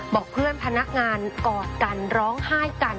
บอกเพื่อนพนักงานกอดกันร้องไห้กัน